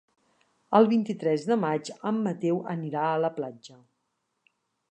El vint-i-tres de maig en Mateu anirà a la platja.